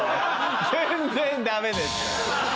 全然ダメです。